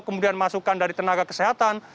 kemudian masukan dari tenaga kesehatan